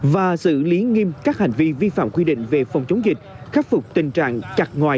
và xử lý nghiêm các hành vi vi phạm quy định về phòng chống dịch khắc phục tình trạng chặt ngoài